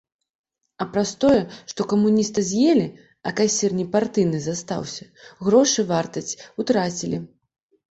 А праз тое, што камуніста з'елі, а касір непартыйны застаўся, грошы вартасць утрацілі.